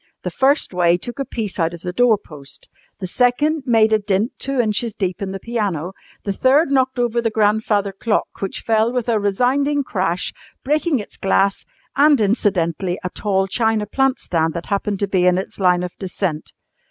The first way took a piece out of the doorpost, the second made a dint two inches deep in the piano, the third knocked over the grandfather clock, which fell with a resounding crash, breaking its glass, and incidentally a tall china plant stand that happened to be in its line of descent.